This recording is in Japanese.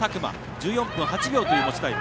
１４分８秒という持ちタイム。